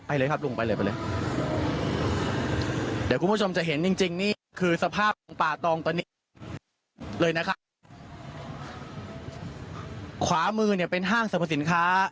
ไปเลยครับลุงไปเลยไปเลยเดี๋ยวคุณผู้ชมจะเห็นจริงจริงนี่คือสภาพป่าตองตอนนี้เลยนะครับขวามือเนี่ยเป็นห้างสรรพสินค้า